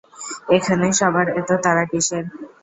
এখানে সবার এতো তাড়া কিসের?